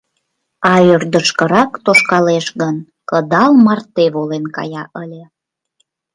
А ӧрдыжкырак тошкалеш гын, кыдал марте волен кая ыле...